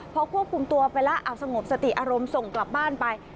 พอควบคุมตัวไปแล้วเอาสงบสติอารมณ์ส่งกลับบ้านไป